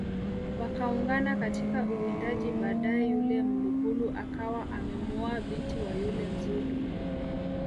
Wakaungana katika uwindaji baadae yule mlugulu akawa amemuoa binti wa yule mzulu